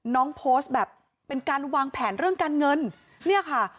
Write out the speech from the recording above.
น้องโพสต์แบบเป็นการวางแผนเรื่องการเงินเนี่ยค่ะ